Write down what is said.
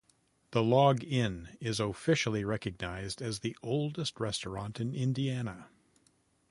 The Log Inn is officially recognized as the oldest restaurant in Indiana.